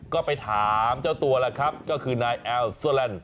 ก็ไปถามเจ้าตัวแล้วครับก็คือนายแอลโซแลนด์